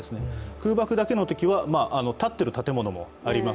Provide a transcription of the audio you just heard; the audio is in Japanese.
空爆だけのときは建っている建物もあります